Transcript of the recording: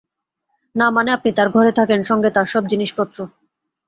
না মানে আপনি তার ঘরে থাকেন, সঙ্গে তার সব জিনিসপত্র।